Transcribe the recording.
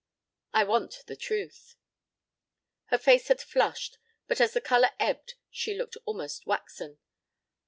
I want the truth." Her face had flushed, but as the color ebbed she looked almost waxen.